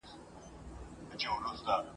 په لمبو کي مځکه سره لکه تبۍ ده !.